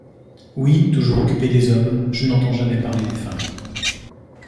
Oui, toujours occupés des hommes, je n'entends jamais parler des femmes.